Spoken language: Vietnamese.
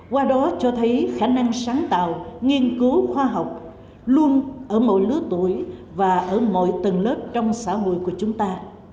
qua đó cho thấy khả năng sáng tạo nghiên cứu khoa học luôn ở mỗi lứa tuổi và ở mọi tầng lớp trong xã hội của chúng ta